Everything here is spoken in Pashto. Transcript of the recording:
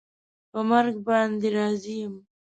په مرګ باندې رضا یم